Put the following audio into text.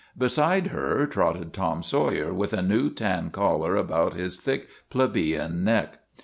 Beside her trotted Tom Sawyer with a new tan collar about his thick, plebeian neck.